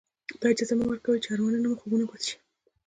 دا اجازه مه ورکوئ چې ارمانونه مو خوبونه پاتې شي.